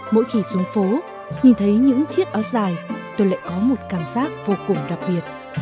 mỗi khi xuống phố nhìn thấy những chiếc áo dài tôi lại có một cảm giác vô cùng đặc biệt